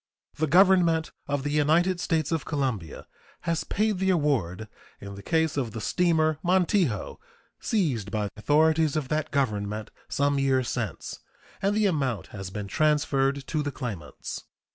The Government of the United States of Colombia has paid the award in the case of the steamer Montijo, seized by authorities of that Government some years since, and the amount has been transferred to the claimants.